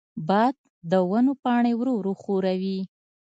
باد د ونو پاڼې ورو ورو ښوروي.